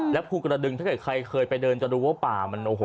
และคุณกระดึงถ้าใครเคยไปเดินจะรู้ว่าป่ามันโอ้โห